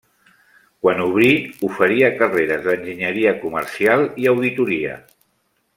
Quan obrí oferia carreres d'Enginyeria Comercial i Auditoria.